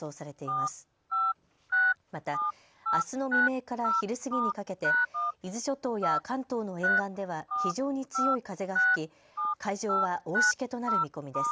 また、あすの未明から昼過ぎにかけて伊豆諸島や関東の沿岸では非常に強い風が吹き海上は大しけとなる見込みです。